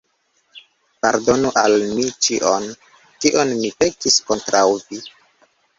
Pardonu al mi ĉion, kion mi pekis kontraŭ vi!